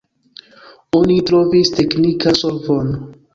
Oni trovis teknika solvon.